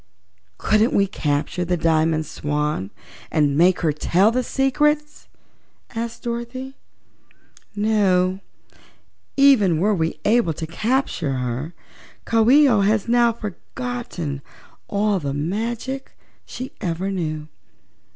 "Couldn't we capture the Diamond Swan and make her tell the secrets?" asked Dorothy. "No; even were we able to capture her, Coo ee oh now has forgotten all the magic she ever knew.